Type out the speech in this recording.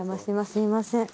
すいません。